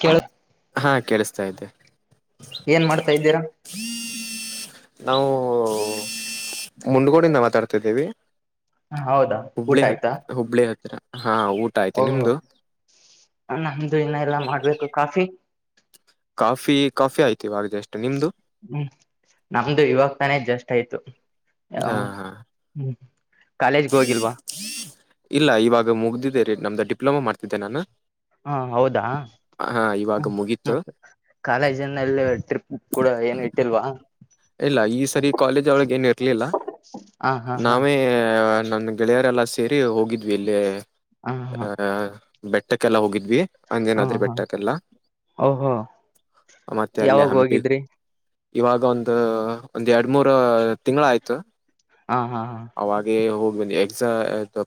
K ಹಾ ಕೇಳಿಸತಾ ಇದ್ದೆ ಏನ್ ಮಾಡ್ತಾ ಇದ್ದೀರಾ ನಾವು ಮುಂಡಗೋಡಿಂದ ಮಾತಾಡ್ತಿದ್ದೇವಿ ಹೌದಾ ಊಟ ಆಯ್ತಾ ಹುಬ್ಳಿ ಹತ್ತಿರ ಹಾ ಊಟ ಆಯ್ತು ಓಹೋ ನಿಮ್ದು ನಂದು ಇನ್ನ ಎಲ್ಲಾ ಮಾಡ್ಬೇಕು ಕಾಫಿ ಕಾಫಿ ಕಾಫಿ ಆಯ್ತು ಇವಾಗ ಜಸ್ಟ್ ನಿಮ್ದು ಹ್ಮ್ ನಮ್ದು ಇವಾಗ ತಾನೇ ಜಸ್ಟ್ ಅಷ್ಟ ಆಯ್ತು ಹ ಹಾ ಹಾ ಹ್ಮ ಇಲ್ಲ ಇವಾಗ ಮುಗ್ದಿದ್ದೇರಿೀ ನಮ್ದ ಡಿ ಡಿಪ್ಲೊಮಾ ಮಾಡ್ತಿದ್ದೆ ನಾನು ಹಾ ಹೌದಾ ಹಾ ಇವಾಗ ಮ ಮುಗೀತು ಕಾಲೇಜಿನಲ್ಲಿ ಟ್ರಿಪ್ ಕೂಡ ಏನು ಇಟ್ಟಿಲ್ವಾ ಇಲ್ಲ ಈ ಸರಿ ಕಾಲೇಜ್ ಒಳಗ ಏನು ಇರ್ಲಿಲ್ಲ ಹ ಹಾ ಹಾ ನಾವೇ ನಂದು ಗೆಳೆಯರೆಲ್ಲ ಸೇರಿ ಹೋಗಿದ್ವಿ ಇಲ್ಲಿ ಹ ಹಾ ಬೆಟ್ಟಕ್ಕೆಲ್ಲ ಹೋಗಿದ್ವಿ ಹಾ ಹಂಗೇನ ಹ ಅದರು ಹಾ ಬೆಟ್ಟಕಲ್ಲ ಓಹೋ ಮತ್ತೆ ಅಲ್ಲಿ ಯಾವಾಗ ಹಂಪಿ ಹೋಗಿದ್ರಿ ಇವಾಗೊ ಒ ಒಂದ್ ಎರಡ್ ಮೂರ ತಿಂಗಳ ಆಯ್ತು ಹ ಹಾ ಹಾ ಅವಾಗೆ ಹ ಎಕ್ಸಾ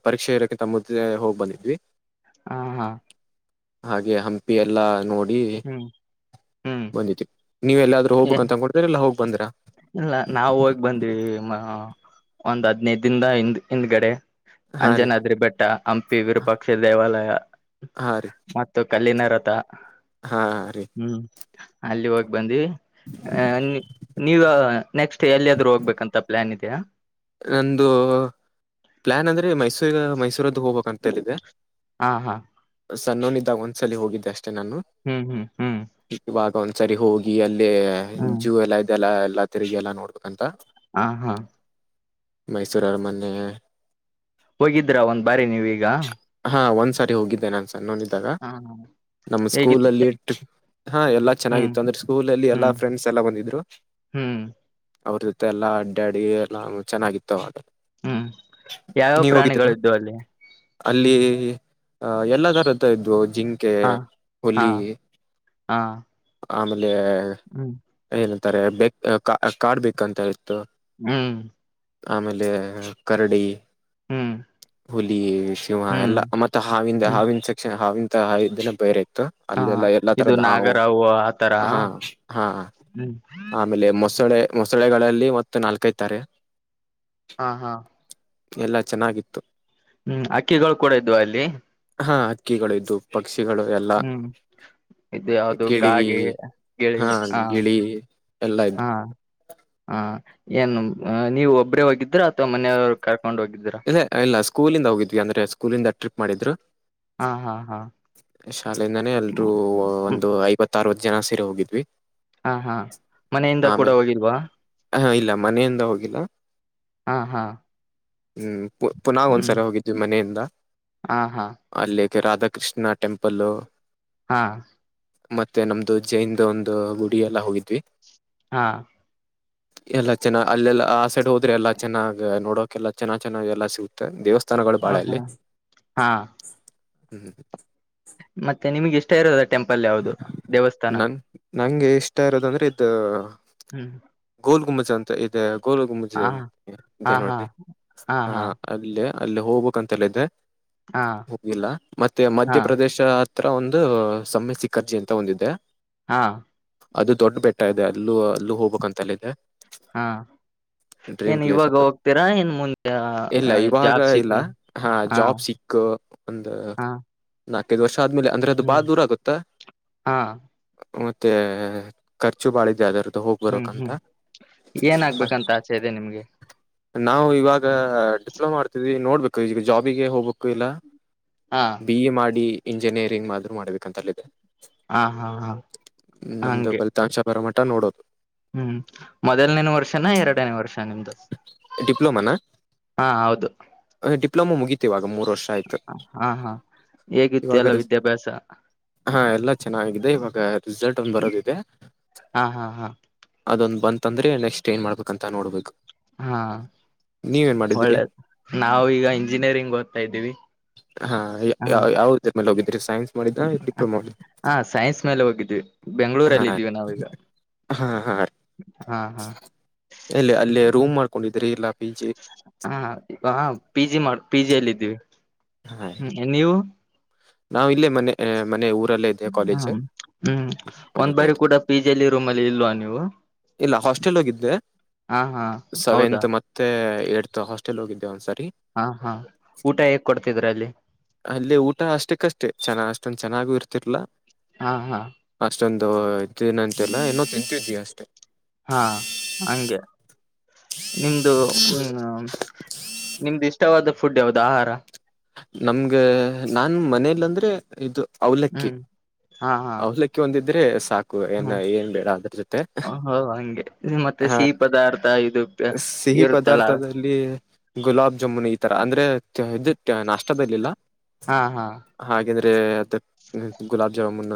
ಪರೀಕ್ಷೆ ಇರೋಕ್ಕೆೆ ತಮ್ಮ್ದೆ ಹೋಗ್ ಬಂದಿದ್ವಿ ಹಾ ಹಾ ಹಾಗೆ ಹಂಪಿ ಎಲ್ಲಾ ನೋಡಿ ಈ ಹ್ಮ್ ಹ್ಮ್ ಬಂದಿದ್ದ ನೀವು ಎಲ್ಲಾದೂ ಹೋಗ್ಬೇಕ ಅಂತಕೊಂಡತ್ರಲ್ಲ ಹೋಗ ಇಲ್ಲ ನಾವ ಹೋಗಿ ಬಂದ್ವಿ ಒಂದ್ ಹದ್ನೈದ ದಿಂದ ಹಿಂದ್ ಹಿಂದ್ಗಡೆ ಹಾ ರೀ ಅಂಜನಾದ್ರಿ ಬೆಟ್ಟ ಹಂಪಿ ವಿರೂಪಾಕ್ಷ ದೇವಾಲಯ ಹಾ ರೀ ಮತ್ತು ಕಲ್ಲಿನ ಕೃತ ಹಾ ರೀ ಅಲ್ಲಿ ಹೋಗಿ ಬಂದಿ ಹ ನೆಕ್ಸ್ಟ್ ಎಲ್ಲಿಯಾದ್ರೂ ಹೋಗ್ಬೇಕು ಅಂತ ನಿತ ನಂದು ಪ್ಲಾನ್ ಅಂದ್ರೆ ಮೈಸೂರು ಈಗ ಮೈಸೂದ ಹೋಗಬೇಕ ಲಿದೆ ಹಾ ಹಾ ಸಣ್ಣೋನಿದ್ದಾಗ ಒಂದ್ಸಲಿ ಹೋಗಿದ್ದ ಅಷ್ಟೆ ನಾನು ಹ್ಮ್ ಹ್ಮ್ ಹ್ಮ್ ಒಂದ್ಸರಿ ಹೋಗಿ ಅಲ್ಲಿ ಇ ಹ್ಮ್ ಜವಲ ದಲ್ಲ ಎಲ್ಲ ತಿರಿಗೆಗ ಎಲ್ಲಾ ನೋಡ್ಬೇಕಂತ ಹಾ ಹಾ ಮೈಸೂರು ಅರಮನ್ೆ ಹೋಗಿದ್ರಾ ಒಂದ್ ಬಾರಿ ನೀವೀಗ ಸರಿ ಹೋಗಿದ್ದೆ ನಾನನ್ ಅನ್ನೋೊಂಡಿದ್ದಾಗ ಹ ನಮ್ಮ ಹೇಗಿತ್ತ ಸ್ಕೂಲಲ್ಲಿ ಹಾ ಎಲ್ಲ ಹ್ಮ್ ಚೆನ್ನಾಗಿತ್ತು ಅಂದ್ರೆ ಸ್ಕೂಲಲ್ಲಿ ಎಲ್ಲಾ ಹ್ಮ್ ಫ್ರೆಂಡ್ಸ್ ಎಲ್ಲ ಬಂದಿದ್ರು ಹ್ಮ್ ಅವ್ರ ಜೊತೆ ಎಲ್ಲ ಅಡ್ಡ ಅಡಿ ಎಲ್ಲ ಚೆನ್ನಾಗಿತ್ತು ಆಟ ಹ್ಮ್ ಯಾವ್ಯಾವ ಪ್ರಾಣಿಗಳ್ದವು ಅಲ್ಲಿ ಅಲ್ಲಿ ಅಹ ಎಲ್ಲಾ ತರದ ಇದ್ವು ಜಿಂಕೆ ಹಾ ಹಾ ಹೋಲಿ ಹಾ ಆ್ರ ಅಲ್ಲಿ ಹ್ಮ್ ಏನ ಾರೆ ಬಕ್ ಕಾರ್ಡ್ ಬೇಕಂತ ಇತ್ತು ಹ್ಮ್ ಆಮೇಲೆ ಕರಡಿ ಹ್ಮ್ ಹಲಿ ಶಿವ ಹ್ಮ್ ಎಲ್ಲಾ ಮತ್ತೆ ಹಾವಿಂದ ಹ್ಮ್ ಹಾವಿನ ಸೆ ಹಾವಿಂದ ಐ ದಿನ ಬೈರಐ ಹಾ ಅಲ್ಲೆಲ್ಲ ಎಲ್ಲಾ ಇದು ತರದ ಹಾವು ನಾಗರಾವು ಆತರ ಹಾ ಹಾ ಹ್ಮ್ ಆಮೇಲೆ ಮ ಮೊಸಳೆ ಮೊಸಳೆಗಳಲ್ಲಿ ಮತ್ ನಾಲ್ಕೈತಾರೆ ಹಾ ಹಾ ಎಲ್ಲಾ ಚೆನ್ನಾಗಿತ್ತು ಹ್ಮ್ ಅಕ್ಕಿಗಳು ಕೂಡ ಇದ್ವ ಅಲ್ಲಿ ಹಾ ಹಕ್ಕಿಗಳ್ದು ಪಕ್ಕ ಹ್ಮ್ ಇದು ಯಾಾವ್ದ ಗಿಳಿ ಕಾಗೆ ಗಿಳಿ ಹಾ ಎಲ್ಲ ಇದ್ದು ಹಾ ಹಾ ಏನು ನೀವು ಒಬ್ಬ್ರೇ ಹೋಗಿದ್ರ ಅಥವಾ ಮನೆಯವ್ರು ಇಲ್ಲ ಇಲ್ಲ ಸ್ಕೂಲಿಂದ ಹೋಗಿದ್ವಿ ಅಂದ್ರೆ ಸ್ಕೂಲಿಂದ ಟ್ರಿಪ್ ಮಾಡಿದಿದರು ಹಾ ಹಾ ಹಾ ಶಾಲೆಯಿಂದಾನೇ ಎಲ್ರೂ ಹ್ಮ್ ಹ್ಮ್. ಒಂದು ಐವತ್ತಾರವತ್ತು ಜನ ಸೇರೆ ಹೋಗಿದ್ವಿ ಹಾ ಹಾ ಮನೆಯಿಂದ ಕೂಡ ಆಮೇಲೆ ಹೋಗಿಲ್ವಾ ಹ ಇಲ್ಲ ಮನೆಯಿಂದ ಹೋಗಿಲ್ಲ ಹಾ ಹಾ ಹ್ಮ್ ಪ ಪುನಾಗ ಹ್ಮ್ ಒಂದ್ಸರಿ ಹೋಗಿದ್ವಿ ಮನೆಯಿಂದ ಹಾ ಹಾ ಅಲ್ಲಿ ರಾಧಾಕೃಷ್ಣ ೆಂಪಲ್ ಹಾ ಮತ್ತೆ ನಮ್ದು ಜೈನ್ದ ಒಂದು ಗುಡಿ ಎಲ್ಲ ಹೋಗಿದ್ವಿ ಹಾ ಎಲ್ಲ ಚೆನ್ನಾಗ ಅಲ್ಲೆಲ್ಲ ಆ ಸೆಡ್ ಹ ಇದ್ರೆ ಎಲ್ಲ ಚೆನ್ನಾಗ್ ನೋಡ ಕಲರ್ ಚೆನ್ನ ಚೆನ್ನಾಗ ಎಲ್ಲ ಸಿಗುತ್ತೆ ದೇವಸ್ಥ ಹ -ಹಾ -ಹಾ ಹ್ಮ್ ಹ್ಮ್್ಮ ಮತ್ತೆ ನಿಮ್ಗೆ ಎಷ್ಟ ಇರೋದ ಟೆಂಪಲ್ ಯಾವದು ದೇವಸ್ಥಾನ ನನ್ ನಂಗೆ ಇಷ್ಟ ಇರೋದಂದ್ರೆ ಇದು ಹ್ಮ್ ಕೂತ್ಕೋ ಮಚ್ಚಾ ಇ ಎಳಕೊಂಡು ಹೋಗು ಹಾ ಮಚ್ಚಿ ಹಾ ಹಾ ಹಾ ಅ ಹಾ ಹ ಅಲ್ಲಿ ಅಲ್ಲಿ ಹೋಗ್ಬೇಕ್ ಅಂತೆಲ್ಲ ಇದೆ ಹಾ ಹೋಗಿಲ್ಲ ಮತ್ತೆ ಹಾ ಮಧ್ಯಪ್ರದೇಶ ತ್ರ ಒಂದು ಸಮಯ ಸಿ ಕರ್ಜಿ ಅಂತ ಒಂದಿದ್ದೆ ಹಾ ಅದು ದೊಡ್ಡ ಬೆಟ್ಟ ಇದೆ ಅಲ್ಲೂ ಅಲ್ಲೂ ಹೋಗ್ಬೇಕಕ್ಂತಲ್ಲ ಇದೆ ಹಾ ಏನ್ ಇವಾಗ ಅದು ಹೋಗ್ತೀರಾ ಏನ್ ಮುಂದೆ ಇಲ್ಲ ಇವಾಗ ಜಾಬ್ ಇಲ್ಲ ಸಿಕ್ ಹಾ ಜಾಬ್ ಸಿಕ್ ಒಂದು ಹಾ ನಾಲ್ಕೈದು ವರ್ಷ ಆದ್ಮೇಲೆ ಅಂದ್ರೆ ಅದು ಬಾಳ ಹ್ಮ್ ದೂರ ಆಗುತ್ತಾ ಹಾ ಮತ್ತೆ ಖರ್ಚು ಬಾಳ ಇದೆ ಅಲ್ಲರ ಹೋಗ್ ಹ್ಮ್ ಬರಂತ ಹ್ಮ್ ಏನ್ ಆಗ್ಬೇಕಂತ ಆಸೆ ಇದೆ ನಿಮ್ಗೆ ನಾವು ಇವಾಗ ಡಿಪ್ಲೊಮಾ ಮಾಡ್ತಿದ್ವಿ ನೋಡ್ ಹೋಗ ಈಗ ಜಾಬಿಗೆ ಹೋಗ್ಬೇಕು ಇಲ್ಲ ಹಾ ಬಿ ಎ ಮಾಡಿ ಇಂಜಿನಿಯರಿಂಗ್ ಮಾ ಮಾಡ್ಬೇಕಂತಲ್ಲಿದೆ ಹಾ ಹಾ ಹಾ ನಮ್ದು ಹಂಗೆ ಕಲಿತನ್ಷ ಬರ ನೋಡೋದು ಹ್ಮ್ ಮೊದಲನೇ ವರ್ಷನ ಎರಡನೇ ವರ್ಷ ನಿಮ್ದು ಡಿಪ್ಲೊಮಾನ ಹಾ ಹೌದು ಡಿಪ್ಲೋಮೋ ಮುಗಿತ ಇವಾಗ ಮೂ ಹಾ ಹಾ ಹೇಗಿತ್ತು ಇವಾಗ ಅಲ್ಲ ವಿದ್ಯಾಭ್ಯಾಸ ಹಾ ಎಲ್ಲಾ ಚೆನ್ನಾಗಿದೆ ಇವಾಗ ರಿಸಲ್ಟ್ ಒಂದ್ ಬರೋದಿದೆ ಹಾ ಹಾ ಹಾ ಅದೊಂದ್ ಬಂತ ಅಂದ್ರೆ ನೆಕ್ಸ್ಟ್ ಏನ್ ಮಾಡ್ಬೇಕಕ್ ಅಂತ ನೋಡ್ಬೇಕು ಹಾ ನೀವ ಏನ್ ಮಾಡಿದ್ರಿ ಒಳ್ಳೆದು ನಾವ ಈಗ ಇಂಜಿನಿಯರಿಂಗ್ ಓದ್ತಾ ಇದ್ದೀವಿ ಹಾ ಹ ಯಾವ್ದ್ರ ಮೇಲೆ ಹೋಗಿದ್ರಿ ಸೈನ್ಸ್ ಮುಗಿತಾ ಡಿಪ್ಲೋಮೋ ಹಾ ಸೈನ್ಸ್ ಮೇಲೆ ಹೋಗಿದ್ವಿ ಹಾ ಬೆಂಗಳೂರಲ್ಲಿ ಇದೀವಿ ನಾವೀಗ ರ ಹಾ ಎಲ್ಲಿ ಅಲ್ಲಿ ಹ್ಮ ಹ ಪಿ ಜಿ ಮಾಡು ಪಿಜಿಯಲ್ಲಿ ಇದಿದ್ದೀವಿ ಹ್ಮ್ ನೀವು ನಾವ ಇಲ್ಲೇ ಮನೆ ಮನೆಊ ಹ್ಮ್ ಹ್ಮ್ ಮನೆ ಒಂದ್ ಬಾರಿ ಕೂಡ ಪಿಜಿಲಿ ರೂಮ್ ಅಲ್ಲಿ ಇಲ್ವಾ ನೀವು ಇಲ್ಲ ಹಾಸ್ಟೆಲ್ ಹೋಗಿದ್ದೆ ಹಾ ಹಾ ಹೌದಾ ಸೆವೆಂತ್ ಮತ್ತೆ ಏಡ್ತ್ ಹಾಸ್ಟೆಲ್ ಹೋಗಿದ್ದೆ ಒಂದ್ಸರಿ ಹಾ ಹಾ ಊಟ ಹೇಗ್ ಕೊಡ್ತಿದ್ರ ಅಲ್ಲಿ ಕಷ್ಟೆ ಚೆನ್ನಾಗಿ ಅಷ್ಟೊಂದ ಚೆನ್ನಾಗು ಇರ್ತಿರ್ಲಾ ಹಾ ಹಾ ಅಷ್ಟೊಂದುಏನಂತಲ್ಲ ಏನ್ನೊ ತಿಂತಿದವಿ ಅಷ್ಟೇ ಹಾ ಹಂಗೆ ನಿಮ್ದು ಹ್ಮ ನಿಮ್ದು ಇಷ್ಟವಾದ ಫುಡ್ ಯಾವ್ದ ಆಹಾರ ನಮ್ಗೆ ನಾನು ಮನೇಲಿ ಅಂದ್ರೆ ಇದು ಅವಲಕ್ಕಿ ಹ್ಮ್ ಅವಲಕ್ಕಿ ಒಂದಿದ್ದು ಇದ್ರೆ ಸಾಕು ಏನ್ ಹ್ಮ ಏನ್ ಬೇಡ ಅದ್ರ ಜೊತೆ ಹ ಹಂಗೆ ಮತ್ತೆ ಹ ಸಿಹಿ ಪದಾರ್ಥ ಇದು ಪ- ಸಿಹಿ ಇರುತ್ತಲ್ಲ ಪದಾರ್ಥದಲ್ಲಿ ಗುಲಾಬ್ ಜಾಮೂನ್ ಈ ತರ ಅಂದ್ರೆ ಇದು ನಾಷ್ಟದಲ್ಲಿಲ್ಲ ಹಾ ಹಾ ಹಾಗೆ ಯಾಂದ್ರೆ ಮತ್ತು ಗುಲಬ ಜಾಮುನ್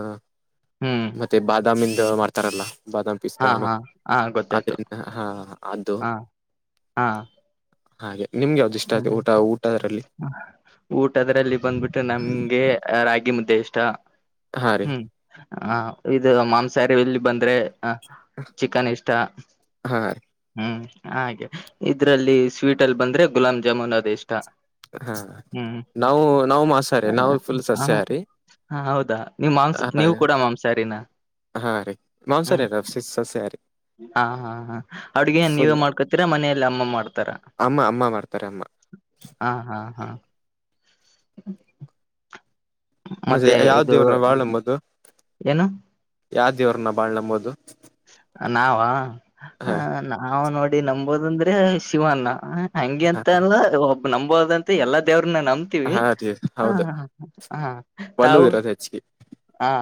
ಹ್ಮ್ ಮತ್ತೆ ಬ ಾಮಿಂದ ಮಾಡ್ತಾರಲ್ಲ ಬಾದಾಮ ಪಿಸ್ತಾ ಹಾ ಏನೋ ಹಾ ಹಾ ಗೊತ್ತಾಯ್ತು ಆದ್ರಿಂದ ಹಾ ಅದು ಹಾ ಹಾ ಹಾಗೆ ನಿಮ್ಗೆ ಯಾವ್ದು ಇಷ್ಟ ಆಯ್ತು ಹ್ಮ ಊಟ ಊಟದಲ್ಲಿ ಊಟ ಅದ್ರಲ್ಲಿ ಬಂದ್ಬಿಟ್ಟು ನಮ್ಗೆ ರಾಗಿ ಮು್ದೆ ದಷ್ಟ ಹಾ ರೀ ಹ್ಮ್ ಹ ಇದು ಮಾಂಸಾಹಾರಿ ಎಲ್ಲಿ ಬಂದ್ರೆ ಹ ಚಿಕನ್ ಇಷ್ಟ ಹಾ ರೀ ಹ್ಮ್ ಹಾಗೆ ಇದ್ರಲ್ಲಿ ಸ್ವೀಟ್ ಅಲ್ಲಿ ಬಂದ್ರೆ ಗುಲಾಂ ಜಾಮೂನ್ ಅದ ಇಷ್ಟ ಹಾ ಹ್ಮ್ ನಾವು ನಾವು ಮಾಂಸಾರಿ ನಾವು ಫುಲ್ ಹ ಸಸ್ಯಾಹಾರಿ ಹಾ ಹೌದಾ ನೀವ್ ಮಾಂಸ ನೀವು ಕೂಡ ಮಾಂಸಾಹಾರಿನ ಹ ರೀ ಹ್ಮ್ ಮಾಂಸಾರಿದ ಸಸ್ಯಾಹಾರಿ ಹಾ ಹಾ ಹ ಅವಡ್ಿಗೆನ್ ಫುಲ್ ನೀವ ಮಾಡ್ಕೊತೀರಾ ಮನೆಯಲ್ಲಿ ಅಮ್ಮ ಮಾಡು ಅಮ್ಮ ಅಮ್ಮ ಮಾಡ್ತಾರೆ ಅಮ್ಮ ಹಾ ಹಾ [inaudible] ಮತ್ತೆ ಯಾವ ದೇವ್ರನ್ನ ವಾಳಂಬೋುದು ಏನು ಯಾವ್ದ ಇವ್ರನ್ನ ಬಾಳ್ ನಂಬೋದು ನಾವ ಹ ನಾವು್ ನೋಡಿ ಅಡಿ ನಂಬೋದ ಅಂದ್ರೆ ಶಿವನ್ನ ಹಂಗೆ ಅಂತ ಅಲ್ಲ ಒಬ್ಬ ನಂಬೋದಂತೆ ಎಲ್ಲ ದೇವರು ನಂಬ್ತವಿ ಹಾ ರೀ ಹೌದು ಹ ಹ ಒಲು ತಾವು ಇರೋದು ಹೆಚ್ಚಿಗೆ ಹಾ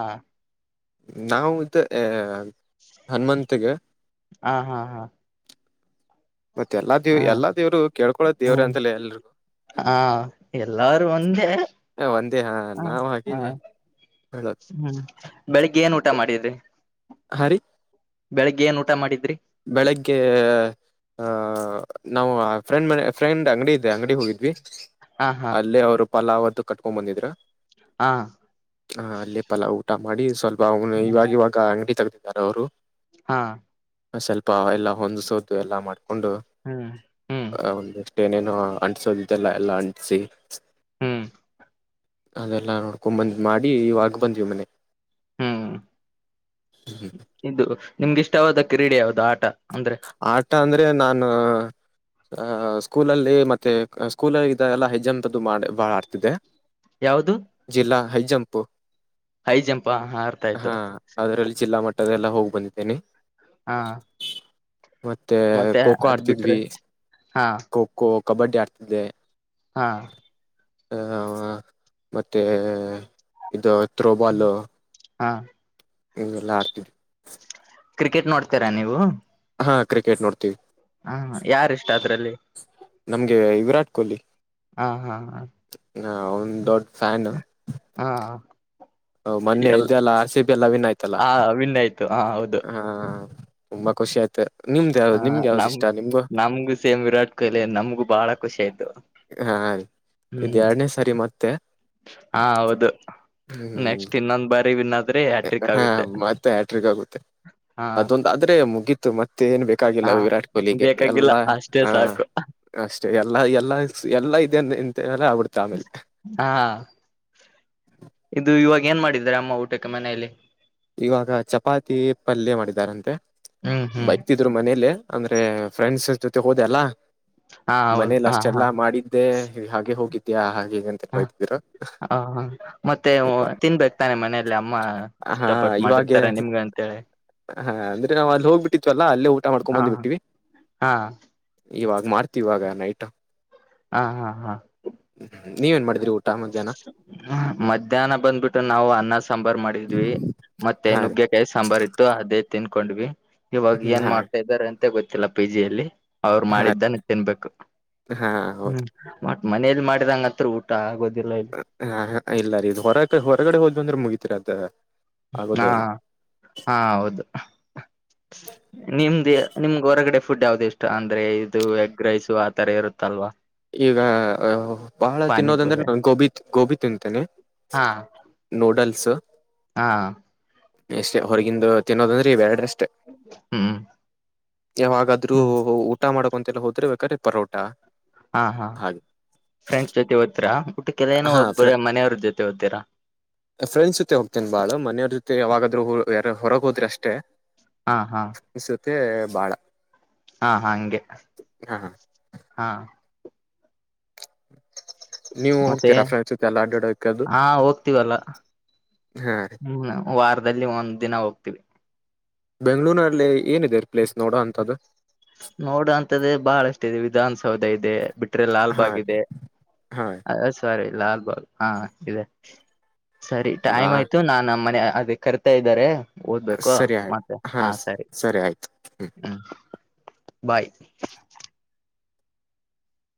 ನಾವು ಇದು ಅ ಹನುಮಂತಗೆ ಹಾ ಹಾ ಹಾ ಹಾ ಕೇಳ್ಕೊಳೋ ದೇವ್ರ ಹ್ಮ್ ಅಂತಲ್ಲ ಎಲ್ರಿಗೂ ಹ ಎಲ್ಲಾರು ಒಂದೇ ಒಂದೇ ಹಾ ಹ ನಾವ್ ಹ ಹಾಗೆ ಹೇಳೋದು ಹ್ಮ್ ಬೆಳಿಗ್ಗೆ ಏನ್ ಊಟ ಮಾಡಿದಿ [inaudible] ಹರಿ ಬೆಳಿಗ್ಗೆ ಏನ್ ಊಟ ಮಾಡಿದ್ರಿ ಬೆಳಿಗ್ಗೆ ನಾವು ಫ್ರೆಂಡ್ ಮ ಫ್ರೆಂಡ್ ಅಂಗಡಿ ಇದೆ ಅಂಗಡಿ ಹೋಗಿದ್ವಿ ಹಾ ಹಾ ಅಲ್ಲೇ ಅವರು ಪಲಾವತ್ತುು ಕಟ್ಕೊಂಡ್ ಬಂದಿದ್ರ ಹಾ ಹಾ ಅಲ್ಲೇ ಪಲಾವ ಊಟ ಮಾಡಿ ಸ್ವಲ್ಪ ಬನು ಹ್ಮ್ ಇವಾಗ ಇವಾಗ ಅಂಗಡಿ ತ ಯಾರ ಅವರು ಹಾ ಸ್ವಲ್ಪ ಎಲ್ಲ ಹೊಂದ್ಿಸೋು ಎಲ್ಲ ಮಾಡ್ ಉಂದು ಹ್ಮ್ ಹ್ಮ್ ಹ ಏನೇನು ಅಂಟಸೋದಿದೆಲ್ಲ ಎಲ್ಲಾ ಅಂಟಿಸಿ ಹ್ಮ್ ಅದೆಲ್ಲ ನೋಡ್ಕೊ ಬಂದ್ ಮಾಡಿ ಇವಾಗ ಬಂದ್ವಿ ಮನೆ ಹ್ಮ್ ಇದು ನಿಮ್ಗಿಷ್ಟವಾದ ಕ್ರೀಡೆ ಯಾವ್ದದು ಆಟ ಅಂದ್ರೆ ಆಟ ಅಂದ್ರೆ ನಾನು ಅಹ ಸ್ಕೂಲಲ್ಲಿ ಮತ್ತೆ ಸ್ಕೂಲಲ್ಲಿ ಇದ ಎಲ್ಲ ಹೆಜ್ಜಂತದ್ದು ಮಾಡ ಬಾಳ ಆಡ್ತಿದೆ ಯಾವ್ದು ಜಿಲ್ಲಾ ಹ ಜಂಪು ಹೈ ಜಂಪ್ ಹಾ ಅರ್ಥ ಆಯ್ತು ಹಾ ಅದರಲ್ಲಿ ಜಿಲ್ಲಾ ಮಟ್ಟದೆಲ್ಲ ಹೋಗ್ ಬಂದಿದ್ದೇನೆ ಹಾ ಮತ್ತೆ ೋಖೋ ಅದ್ ಆಡ್ತಿದ್ವಿ ಬಿಟ್ರೆ ಹಾ ಖೋಖೋ ಕಬಡ್ಡಿ ಆಡ್ತಿದ್ದಿದೆ ಹಾ ಆ ಮತ್ತೆ ಇದು ಥ್ರೋಬಲ್ ಹಾ ಎಲ್ಲ ಆಡ್ತಿವ್ರಿ ಕ್ರಿಕೆಟ್ ನೋಡ್ತೀರಾ ನೀವು ಹಾ ಕ್ರಿಕೆಟ್ ನೋಡ್ತಿೀವಿ ಹಾ ಯಾರ ಇಷ್ಟ ಅದ್ರಲ್ಲಿ [inaudible] ನಮ್ಗೆ ವಿರಾಟ್ ಕೊಹ್ಲಿ ಹಾ ಹಾ ನಾ ಆವಂದ್ ದೊಡ್ಡ ಫ್ಯಾನ್ ಹಾ ಹ ಮೊನ್ನೆ ಎಲ್ ಇದೆಲ್ಲಾ ಅಸಿಪಿ ಎಲ್ಲ ವನ್ ಆಯ್ತಲ್ಲ ಆ ವಿನ್ ಆಯ್ತು ಹಾ ಹೌದು ಹಾ ತುಂಬಾ ಖುಷಿ ಆಯ್ತ್ ಹ ನಮ ನಮಗು ಸೇಮ್ ವಿರಾಟ್ ಕೊಹ್ಲಿ ನಮ್ಗೂ ಬಹಳ ಖುಷಿ ಆಯ್ತು ಹಾ ಇದ್ ಹ್ಮ್ ಎರಡನೇ ಸರಿ ಮತ್ತೆ ಹ ಹೌದು ಹ್ಮ್ ನೆಕ್ಸ್ಟ್ ಇನ್ನೊಂದ್ ಆದ್ರೆ ಹ್ಯಾಟ್ರಿಕ್ ಹಾ ಆಗುತ್ತೆ ಮತ್ತೆ ಹ್ಯಾಟ್ರಿಕ್ ಆಗುತ್ತೆ ಹಾ ಅದೊಂದ ಆದ್ರೆ ಮುಗಿ ತ್ತೆ ಮತ್ತೆ ಏನ್ ಬೇಕಾಗಿಲ್ಲ ಹಾ ವಿರಾಟ್ ಕೊಹ್ಲಿಗೆ ಬೇಕಾಗಿಲ್ಲ ಎಲ್ಲಾ ಅಷ್ಟೇ ಹ ಸಾಕು ಅಷ್ಟೇ ಎಲ್ಲಾ ಎಲ್ಲ ಎಲ್ಲಾ ಇದೆ ಅ ಎಂತಲ್ಲ ಆಗ್ಬಿಡ್ತು ಆಮೇಲೆ ಹಾ ಇದು ಇವಾಗ ಏನ್ ಮಾಡಿದ್ರ ಅಮ್ಮ ಊಟಕ್ಕೆ ಮನೇಲಿ ಇವಾಗ ಚಪಾತಿ ಪಲ್ಯ ಮಾಡಿದಾರಂತೆ ಹ್ಮ್ ಹ್ಮ್ ಬೈತಿದ್ರು ಮನೇಲೆೇ ಅಂದ್ರೆ ಫ್ರೆಂಡ್ಸ್ ಜೊತೆ ಹೋದೆ ಅಲ್ಲ ಹಾ ಹೌದು ಮನೇಲಿ ಹಾ ಹಾ ಅಷ್ಟೆಲ್ಲಾ ಮಾಡಿದ್ದೆ ಹಾಗೆ ಹೋಗಿತ್ತು ಯಾ ಹೈ ಹ ಹ ಮತ್ತೆ ತಿನ್ಬೇಕತಾನೆ ಮನೇೆಯಲ್ಲಿ ಅಮ್ಮ ಹಾ ಇಷ್ಟಪಟ್ಟು ಇವಾಗೆ ಮಾಡಿರ್ತಾರೆ ನಿಮ್ಗೆ ಅಂತೇಳಿ ಹಾ ಅಂದ್ರೆ ನಾವವು ಅಲ್ಲಿ ಹೋಗ್ಬಿಟ್ಟಿತ್ತುವಲ್ಲಾ ಅಲ್ಲೇ ಊಟ ಮಾಡ್ಕೊಂಡ ಹ ಬಂದ್ ಬಿಟ್ಟೀವಿ ಹಾ ಇವಾಗ ಮಾಡ್ತಿವಾಗ ನೈಟ್ ಹಾ ಹಾ ಹಾ ನೀವೇನ್ ಮಾಡಿದ್ರಿ ಊಟ ಮಧ್ಯಾಹ್ನ ಮಧ್ಯಾಹ್ನ ಬಂದ್ಬಿಟ್ಟುೆ ನಾವು ಅನ್ನ ಸಾಂಬ ಮತ್ತೆ ಹಾ ರೀ ನುಗ್ಗೆಕಾಯಿ ಸಾಂಬಾರಿತ್ತು ಅದೇ ತಿನ್ಕೊಂಡ್ವಿ ಇವಾಗ ಏನ್ ಹಾ ಮಾಡ್ತಾ ಇದಾರೆ ಅಂತ ಮತ್ತ ಗೊತ್ತಿಲ್ಲ ಪಿಜಿಯಲ್ಲಿ ಅವ್ರು ಹಾ ಮಾಡಿದ್ದಾನ ತಿನ್ಬೇಕು ಹಾ ಹೌದು ಮನೇಲಿ ಮಾಡಿದಂಗ ಹತ್ರ ಆಗ ಹಾ ಹ ಇಲ್ಲ ರೀ ಇ್ ಹೊರ ಹೊರಗಡೆ ಹೋದ್ ಅಂದ್ರೆ ಮುಗತಿರಿ ಅದ ಹಾ ಆಗೋದೇ ಇಲ್ಲ ಹಾ ಹೌದು ನಿಮ್ದ ನಿಮ್ಗೆ ಹೊರಗಡೆ ಫುಡ್ ಯಾವ್ದ ಇಷ್ಟ ಅಂದ್ರೆ ಇದು ಎಗ್ ರೈಸು ಆ ತರ ಇರುತ್ತಲ್ವಾ ಈಗ ಬಹಳ ತಿನ್ನೋದಂದ್ರೆ ಪಾನಿಪುರಿ ನ ಗೋಬಿ ಗೋಬಿ ತಿಂತೇನೆ ಹಾ ನೋಡಲ್ ಎಸ ಹಾ ಎಷ್ಟೇ ಹೊರಗಿಂದು ತಿನ್ನೋದಂದ್ರೀ ಬ್ಯಾಡ್ರಷ್ಟ ಮತ್ತು ಹ್ಮ್ ಯಾವಾಗಾದ್ರೂ ಹ್ಮ್ ಊಟ ಮಾಡ ಂತೆಲ್ಲ ಹೋದ್ರೆ ಬೇಕಾದ್ರೀ ಪರೋಟಾ ಹಾ ಹಾ ಫ್ರೆಂಡ್ಸ್ ಜೊತೆ ಹಓದಾ ಟ್ಟು ಕೆಲನ ಹಾ ಒೋಗಬರ ಮನೆಯವ್ರ ಜೊತೆ ಹಓದ್ ತರ ಫ್ರೆಂಡ್ಸ್ ಜೊತೆ ಹೋಗ್ತೇನೆ ಬಾಳ ಮನೆಯವ್ರ ಜೊತೆ ಯಾವಾಗಾದ್ೂ ಯಾರ ಹೊರಗೆ ಹೋದ್ರೆ ಅಷ್ಟೇ ಹಾ ಹಾ ಮತ್ತೆ ಬಾಳ ಹಾ ಹ ಹಗೆ ಹಾ ಹಾ ನೀವು ಮತ್ತೆ ಹೋಗ್ತೀರಾ ಫ್ರೆಂಡ್ಸ್ ಜೊತೆ ಎಲ್ಲ ಅಡ್ಡಾಡೋಕೆ ಅದು ಹಾ ಹೋಗ್ತೀವಲ್ಲ ಹಾ ರೀ ಹ್ಮ ವಾರದಲ್ಲಿ ಒಂದ್ ದಿನ ಹೋಗ್ತಿೀವಿ ಬೆಂಗ್ಗಳೂರ್ನಲ್ಲಿ ಏನಿದೆ ಪ್ಲೇಸ್ ನೋಡ ಅಂತ್ದ ನೋಡ ಅಂತದ ಬಾಳಷ್ಟ ಇ ವಿಧಾನಸೌಧ ಇದೆ ಬಿಟ್ಟ ಲಾಲ್ ಹಾ ಬಾಗ್ ಇದೆ ಹಾ ಅ ಸರಿ ಲಾಲ್ ಬಾಲ್ ಹಾ ಇದೆ ಸರಿ ನಾ ಟೈಮ್ ಆಯ್ತು ನಾ ಮನೆ ಅದೇ ಕರಿತಾ ಇದ್ದಾರೆ ಸರಿಯ್ತ ಹಾ ಸರಿ ಆಯ್ತು ಹ್ ಹ್ಮ್ ಬಾಯ್